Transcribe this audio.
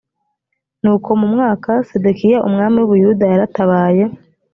nuko mu mwaka sedekiya umwami w u buyuda yaratabaye